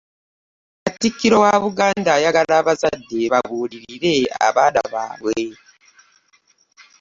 Katikkiro wa Buganda ayagala abazadde babulirire abaana baabwe.